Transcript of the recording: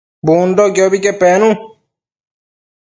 Bundoquiobi que penu